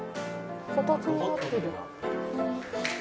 「形になってる」